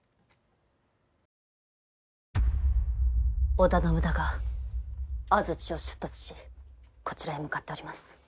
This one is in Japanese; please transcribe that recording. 織田信長安土を出立しこちらへ向かっております。